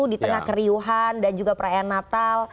di tengah keriuhan dan juga perayaan natal